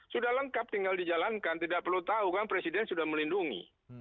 sudah lengkap tinggal dijalankan tidak perlu tahu kan presiden sudah melindungi